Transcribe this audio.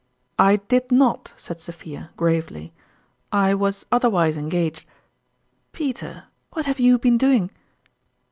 " I did not," said Sophia, gravely ;" I was otherwise engaged. Peter, what have you been doing